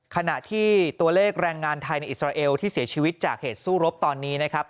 ขณะที่ตัวเลขแรงงานไทยในอิสราเอลที่เสียชีวิตจากเหตุสู้รบตอนนี้นะครับ